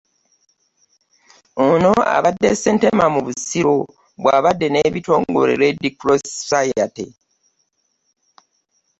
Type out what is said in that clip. Ono abadde Ssentema mu Busiro bw'abadde n'ab'ekitongole Red Cross Society